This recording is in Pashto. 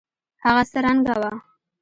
هغه څه رنګه وه.